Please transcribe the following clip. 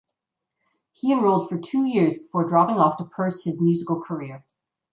He enrolled for two years before dropping off to purse his musical career.